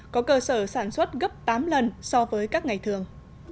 có cơ sở sản xuất gấp tám lần so với các ngày thường